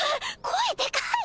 声でかい！